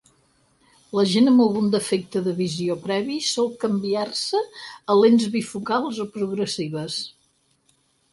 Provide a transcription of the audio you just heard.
La gent amb algun defecte de visió previ sol canviar-se a lents bifocals o progressives.